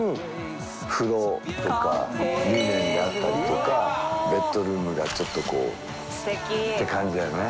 リネンであったりとかベッドルームがちょっとこうって感じだよね。